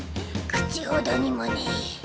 口ほどにもねい。